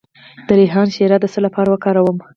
د ریحان شیره د څه لپاره وکاروم؟